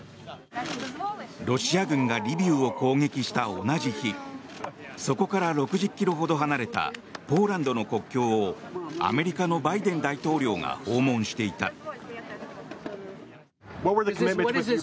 ロシア軍がリビウを攻撃した同じ日そこから６０ｋｍほど離れたポーランドの国境をアメリカのバイデン大統領が訪問していた。